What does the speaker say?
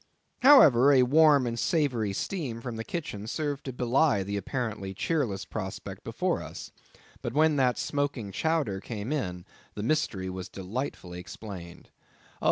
However, a warm savory steam from the kitchen served to belie the apparently cheerless prospect before us. But when that smoking chowder came in, the mystery was delightfully explained.